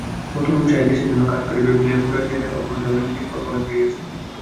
নূতন উৎসাহে দেশের জন্য কাজ করিবে বলিয়া গোরা জেলের অবরোধে অনেক দিন কল্পনা করিয়াছে।